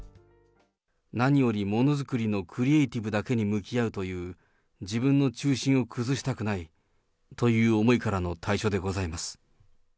何よりものづくりのクリエーティブだけに向き合うという、自分の中心を崩したくないという思いからの退所でございます。